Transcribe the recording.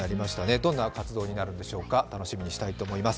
どんな活動になるのでしょうか、楽しみにしたいと思います。